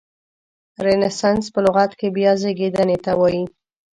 رنسانس په لغت کې بیا زیږیدنې ته وایي.